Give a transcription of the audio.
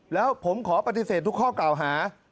แล้วผมขอปฏิเสธทุกข้อกล่าวหา